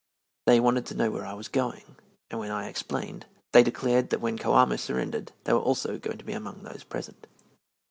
They wanted to know where I was going, and when I explained, they declared that when Coamo surrendered they also were going to be among those present.